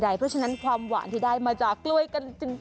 เพราะฉะนั้นความหวานที่ได้มาจากกล้วยกันจริง